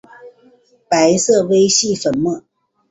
白色微细粉末。